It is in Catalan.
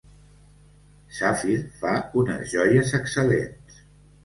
Sapphire fa unes joies excel·lents.